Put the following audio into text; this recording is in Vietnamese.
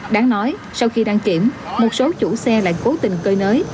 đáng nói sau khi đăng kiểm một số chủ xe lại cố tình cơi nới